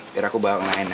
viro aku bawa yang lainnya